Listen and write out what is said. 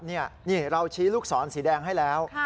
นี่เราชี้ลูกศรสีแดงให้แล้ว